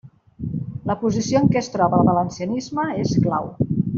La posició en què es troba el valencianisme és clau.